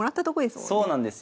そうなんですよ。